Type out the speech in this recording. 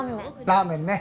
ラーメンね。